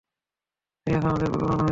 রিয়াজ, আমাদের বোকা বানানো হয়েছে।